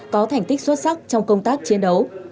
có thành tích xuất sắc trong công tác chiến đấu